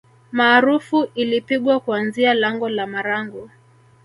Maarufu ilipigwa kuanzia lango la marangu